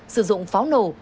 sử dụng pháo nổ